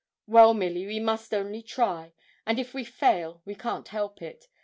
'Well, Milly, we must only try; and if we fail we can't help it.